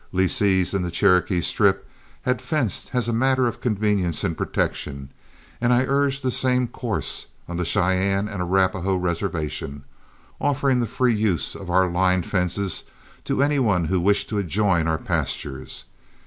Lessees in the Cherokee Strip had fenced as a matter of convenience and protection, and I urged the same course on the Cheyenne and Arapahoe reservation, offering the free use of our line fences to any one who wished to adjoin our pastures.